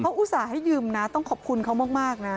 อุตส่าห์ให้ยืมนะต้องขอบคุณเขามากนะ